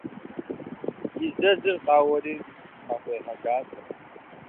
И зэзыр къауэри, къахуегъэлакъым.